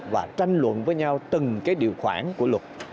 và tranh luận với nhau từng cái điều khoản của luật